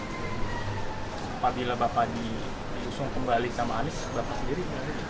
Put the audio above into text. apabila bapak diusung kembali sama anies bapak sendiri